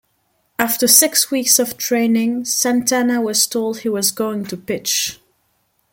After six weeks of training, Santana was told he was going to pitch.